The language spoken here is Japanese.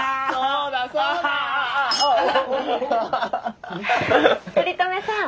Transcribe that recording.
うん？